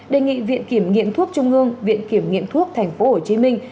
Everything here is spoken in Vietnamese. đề nghị viện kiểm nghiệm thuốc trung ương viện kiểm nghiệm thuốc thành phố hồ chí minh